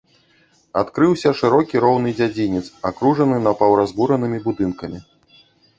Адкрыўся шырокі, роўны дзядзінец, акружаны напаўразбуранымі будынкамі.